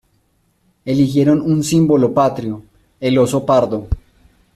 Eligieron un símbolo patrio, el oso pardo.